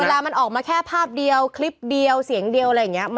เวลามันออกมาแค่ภาพเดียวคลิปเดียวเสียงเดียวอะไรอย่างนี้